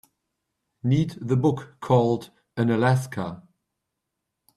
Need the book called ANAlaska